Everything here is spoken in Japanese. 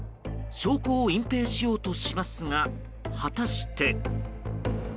証拠を隠蔽しようとしますが果たして。